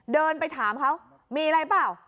เดินไปถามเขามีอะไรเปล่า